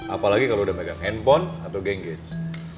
apalagi kalo udah megang handphone atau genggage